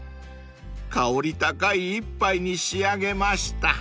［香り高い一杯に仕上げました］